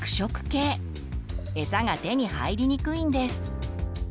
エサが手に入りにくいんです。